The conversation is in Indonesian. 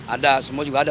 ada semua juga ada